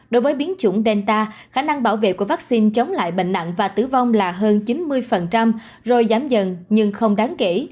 đối với biến chủng delta khả năng bảo vệ của vaccine chống lại bệnh nặng và tử vong là hơn chín mươi rồi giảm dần nhưng không đáng kể